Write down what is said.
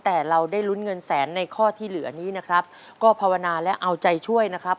แต่เราได้ลุ้นเงินแสนในข้อที่เหลือนี้นะครับก็ภาวนาและเอาใจช่วยนะครับ